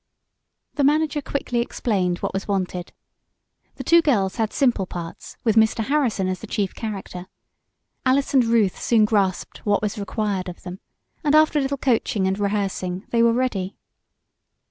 The manager quickly explained what was wanted. The two girls had simple parts, with Mr. Harrison as the chief character. Alice and Ruth soon grasped what was required of them, and, after a little coaching and rehearsing, they were ready.